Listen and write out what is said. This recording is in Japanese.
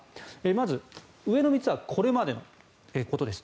まず、上の３つはこれまでのことです。